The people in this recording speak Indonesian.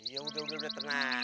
ya udah udah tenang